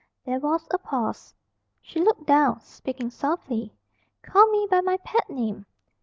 There was a pause. She looked down, speaking softly. "Call me by my pet name."